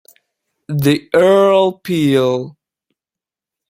The Earl Peel.